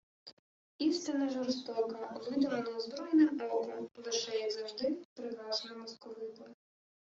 Істина жорстока, видима неозброєним оком, лише, як завжди, прикрашена московитом